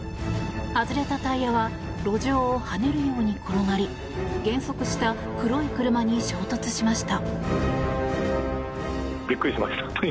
外れたタイヤは路上を跳ねるように転がり減速した黒い車に衝突しました。